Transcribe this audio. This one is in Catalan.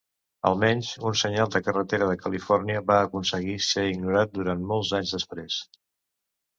Al menys un senyal de carretera de Califòrnia va aconseguir ser ignorat durant molts anys després.